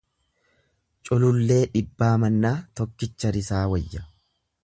Culullee dhibbaa mannaa tokkicha risaa wayya.